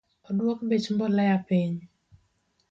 Oduok bech mbolea piny